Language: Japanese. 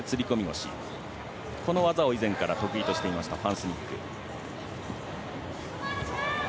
腰の技を以前から得意としているファン・スニック。